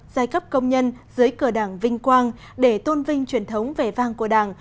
giai cấp công nhân dưới cờ đảng vinh quang để tôn vinh truyền thống vẻ vang của đảng